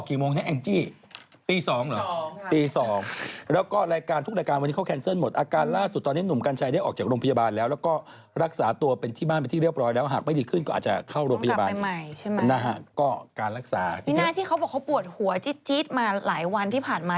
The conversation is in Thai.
ต้องกลับไปใหม่ใช่ไหมพี่น้าที่เขาบอกเขาปวดหัวจิ๊ดมาหลายวันที่ผ่านมา